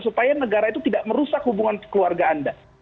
supaya negara itu tidak merusak hubungan keluarga anda